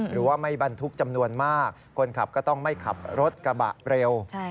หรือว่าไม่บรรทุกจำนวนมากคนขับก็ต้องไม่ขับรถกระบะเร็ว